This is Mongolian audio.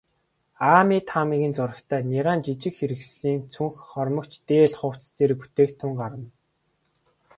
Аами, Таамигийн зурагтай нярайн жижиг хэрэгслийн цүнх, хормогч, дээл, хувцас зэрэг бүтээгдэхүүн гарна.